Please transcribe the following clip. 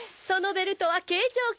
そのベルトは形状